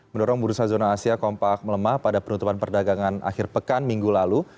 mendorong bursa zona asia kompak melemah pada penutupan perdagangan akhir pekan minggu lalu